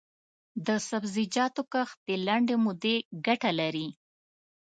د سبزیجاتو کښت د لنډې مودې ګټه لري.